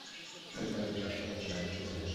ললিতার এই দুঃসাহসিকতায় বিনয় স্তম্ভিত হইয়া গেল।